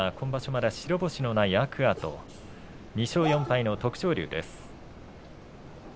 まだ白星のない天空海そして２勝４敗の徳勝龍です。